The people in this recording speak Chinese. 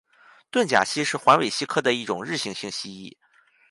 盾甲蜥是环尾蜥科的一种日行性蜥蜴。